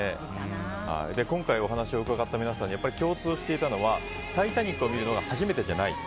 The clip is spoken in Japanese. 今回お話を伺った皆さんに共通していたのは「タイタニック」を見るのは初めてじゃないと。